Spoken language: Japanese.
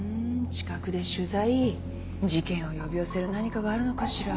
事件を呼び寄せる何かがあるのかしら。